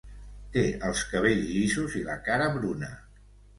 Té els cabells llisos i la cara bruna.